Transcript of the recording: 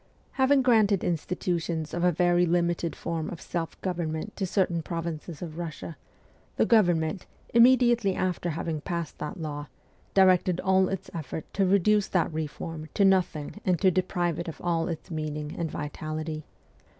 ST. PETERSBURG 101 Having granted institutions of a very limited form of self government to certain provinces of Russia, the government, immediately after having passed that law, directed all its efforts to reduce that reform to nothing and to deprive it of all its meaning and vitality.